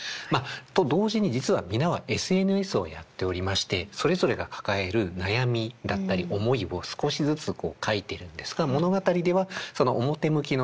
と同時に実は皆はＳＮＳをやっておりましてそれぞれが抱える悩みだったり思いを少しずつ書いているんですが物語では表向きの就活